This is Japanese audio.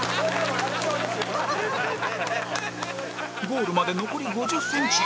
「」「」「」ゴールまで残り５０センチ